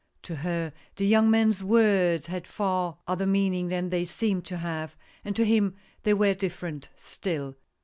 To her the young man's words had far other mean ing than they seemed to have ; and to him they were different still.